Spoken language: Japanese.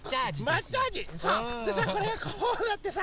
でさこれがこうなってさ。